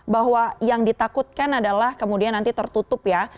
bahwa yang ditakutkan adalah kemudian nanti tertutup ya